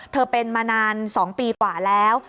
เธอเป็นมานาน๒ปีกว่าแล้ว